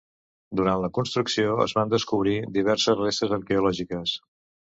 Durant la construcció es van descobrir diverses restes arqueològiques.